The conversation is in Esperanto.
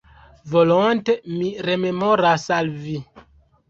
Volonte mi rememoras al Vi.